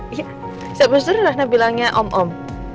iya sempat seru rana bilangnya om om